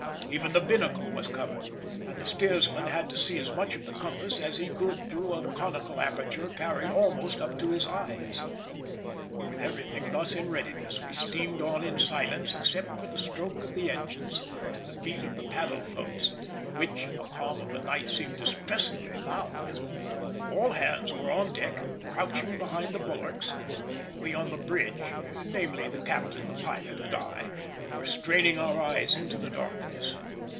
Even the binnacle was covered, and the steersman had to see as much of the compass as he could through a conical aperture carried almost up to his eyes. With everything thus in readiness we steamed on in silence except for the stroke of the engines and the beat of the paddle floats, which in the calm of the night seemed distressingly loud; all hands were on deck, crouching behind the bulwarks; and we on the bridge, namely, the captain, the pilot, and I, were straining our eyes into the darkness.